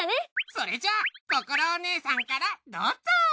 それじゃあこころお姉さんからどうぞ。